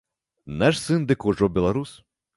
Наш сын дык ужо беларус.